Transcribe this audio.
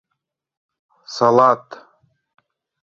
— Салат.